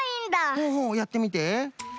ほうほうやってみて。